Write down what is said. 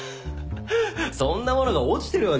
そんな物が落ちてるわけ。